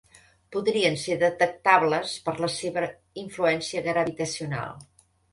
Podrien ser detectables per la seva influència gravitacional.